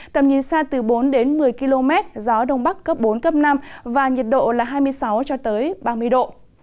tầm nhìn xa từ bốn một mươi km gió đông bắc cấp bốn cấp năm và nhiệt độ là hai mươi sáu ba mươi độ